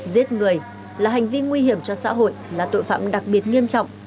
giết người là hành vi nguy hiểm cho xã hội là tội phạm đặc biệt nghiêm trọng